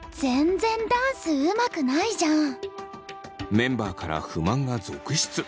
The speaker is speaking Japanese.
メンバーから不満が続出！